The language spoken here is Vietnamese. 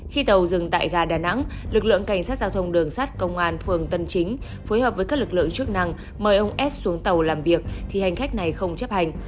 khi tàu dừng tại gà đà nẵng lực lượng cảnh sát giao thông đường sát công an phường tân chính phối hợp với các lực lượng chức năng mời ông s xuống tàu làm việc thì hành khách này không chấp hành